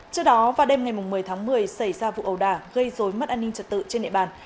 trước đó vào đêm ngày một mươi tháng một mươi xảy ra vụ ầu đà gây dối mất an ninh trật tự trên địa bàn